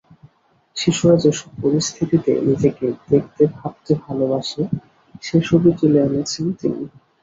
শিশুরা যেসব পরিস্থিতিতে নিজেকে দেখতে ভাবতে ভালোবাসে, সেসবই তুলে এনেছেন তিনি।